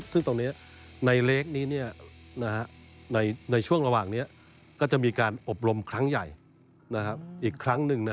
ซึ่งตรงนี้ในเล็กนี้ในช่วงระหว่างนี้ก็จะมีการอบรมครั้งใหญ่อีกครั้งหนึ่ง